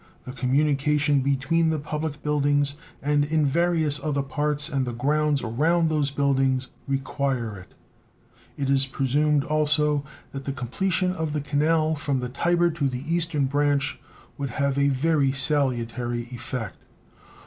The communication between the public buildings and in various other parts and the grounds around those buildings require it. It is presumed also that the completion of the canal from the Tiber to the Eastern Branch would have a very salutary effect.